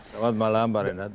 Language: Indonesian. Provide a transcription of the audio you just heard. selamat malam pak renat